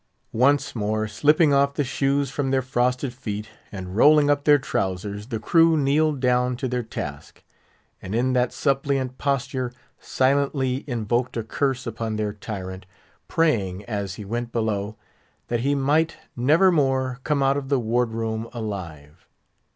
Once more slipping off the shoes from their frosted feet, and rolling up their trowsers, the crew kneeled down to their task; and in that suppliant posture, silently invoked a curse upon their tyrant; praying, as he went below, that he might never more come out of the ward room alive.